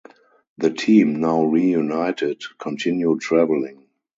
The team, now reunited, continue traveling.